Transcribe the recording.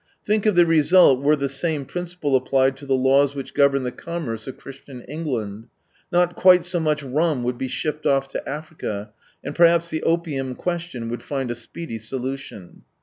Think of the result Out of Into 71 ■were the same principle applied lo the laws which govern the commerce of Chris tian England. Not quite so much rum would be shipped off to Africa, and perhaps the opium question would find a speedy solution.